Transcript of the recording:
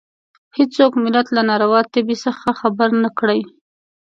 هېڅوک ملت له ناروا تبې څخه خبر نه کړي.